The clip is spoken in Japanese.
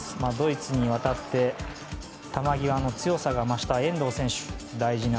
ドイツに渡って球際の強さが増した遠藤選手。